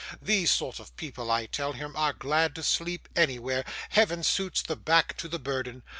These sort of people, I tell him, are glad to sleep anywhere! Heaven suits the back to the burden.